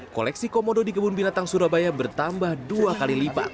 koleksi komodo di kebun binatang surabaya bertambah dua kali lipat